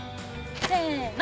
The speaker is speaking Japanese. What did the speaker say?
せの。